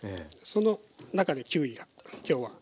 その中でキウイが今日は。